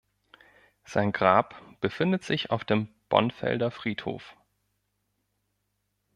Sein Grab befindet sich auf dem Bonfelder Friedhof.